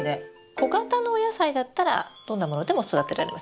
小型のお野菜だったらどんなものでも育てられます。